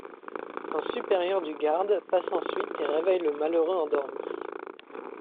Un supérieur du garde passe ensuite et réveille le malheureux endormi.